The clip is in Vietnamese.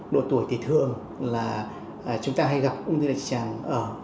độ tuổi thì thường là chúng ta hay gặp ung thư đại tràng ở